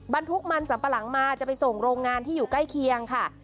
บรรทุกมันสัมปะหลังมาจะไปส่งโรงงานที่อยู่ใกล้เคียงค่ะ